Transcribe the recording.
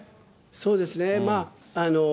そうですね。